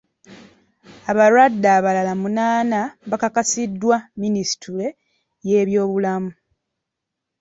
Abalwadde abalala munaana bakakasiddwa Minisitule y'ebyobulamu.